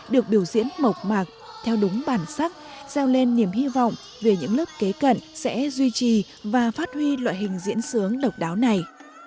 được biểu diễn mộc mạc theo đúng bản sắc gieo lên niềm hy vọng về những lớp kế cận sẽ duy trì và phát huy loại hình diễn sướng độc đáo này